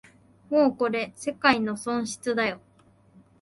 もうこれ世界の損失だよ